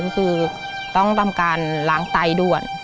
คือต้องทำการล้างไตด่วน